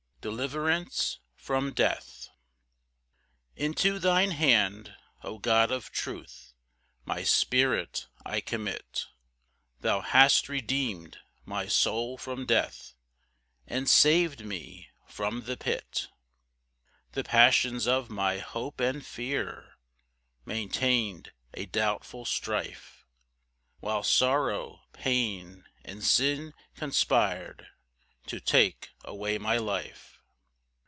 Deliverance from death. 1 Into thine hand, 0 God of truth, My spirit I commit; Thou hast redeem'd my soul from death, And sav'd me from the pit. 2 The passions of my hope and fear Maintain'd a doubtful strife, While sorrow, pain, and sin conspir'd To take away my life.